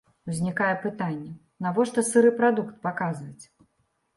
Узнікае пытанне, навошта сыры прадукт паказваць?